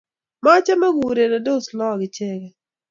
Machamei kourerensot lagok ichegei